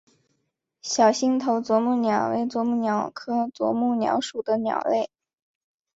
小星头啄木鸟为啄木鸟科啄木鸟属的鸟类。